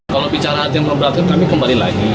kalau bicara hati hati yang berat kami kembali lagi